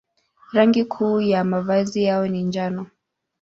Rangi kuu ya mavazi yao ni njano.